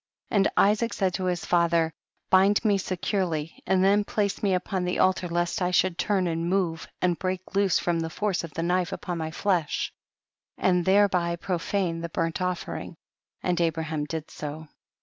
6 1 . And Isaac said to his father, bind me securely and then place me upon the altar lest I should turn and move, and break loose from the force of the knife upon my flesh and thereby profane the burnt offering j and Abraham did so.